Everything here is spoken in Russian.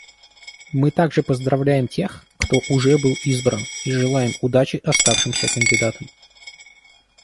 Мы также поздравляем тех, кто уже был избран, и желаем удачи оставшимся кандидатам.